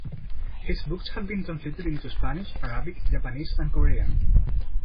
His books have been translated into Spanish, Arabic, Japanese, and Korean.